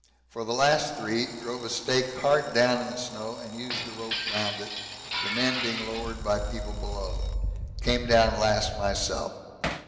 For the last three, drove a stake hard down in the snow and used the rope round it, the men being lowered by people below came down last myself.